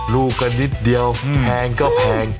ลูกก็นิดเดียวแพงก็แพง